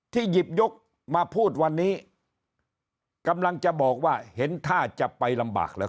หยิบยกมาพูดวันนี้กำลังจะบอกว่าเห็นท่าจะไปลำบากแล้ว